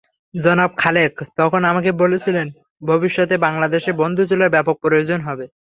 জনাব খালেক তখন আমাকে বলেছিলেন, ভবিষ্যতে বাংলাদেশে বন্ধুচুলার ব্যাপক প্রয়োজন হবে।